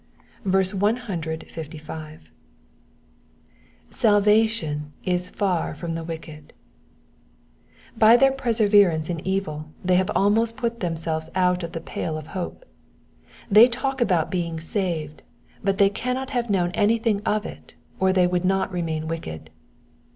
155. '^'^ Saltation m far from the wicked,'''* By their perseverance in evil they have almost put themselves out of the pale of hope. They talk about being saved, but they cannot have known anything of it or they would not lemuin wicked.